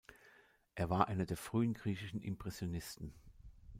Er war einer der frühen griechischen Impressionisten.